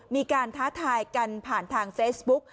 มีการท้าทายกันผ่านทางเซ็ตบุ๊ค